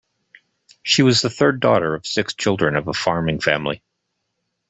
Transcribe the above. She was the third daughter of six children of a farming family.